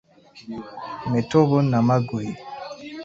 Metobo namagoye.